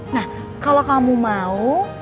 nah kalau kamu mau